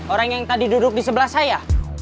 orang yang tadi duduk di sebelah saya